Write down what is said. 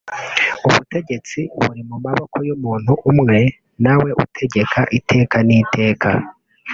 ubutegetsi buri mu maboko y’umuntu umwe nawe utegeka iteka n’iteka